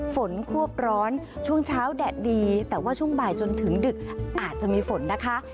ควบร้อนช่วงเช้าแดดดีแต่ว่าช่วงบ่ายจนถึงดึกอาจจะมีฝนนะคะ